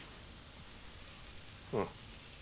うん。